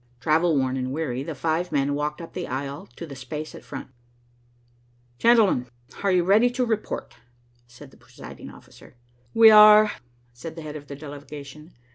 Travel worn and weary, the five men walked up the aisle to the space at the front. "Gentlemen, are you ready to report?" said the presiding officer. "We are," said the head of the delegation.